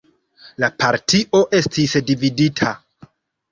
La partio estis dividita.